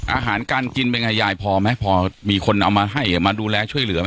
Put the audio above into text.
อาหารการกินเป็นไงยายพอไหมพอมีคนเอามาให้มาดูแลช่วยเหลือไหม